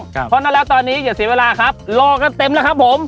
เพราะฉะนั้นแล้วตอนนี้อย่าเสียเวลาครับรอกันเต็มแล้วครับผม